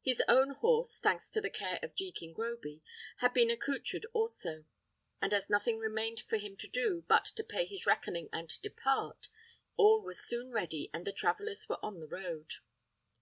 His own horse, thanks to the care of Jekin Groby, had been accoutred also; and as nothing remained for him to do but to pay his reckoning and depart, all was soon ready, and the travellers were on the road.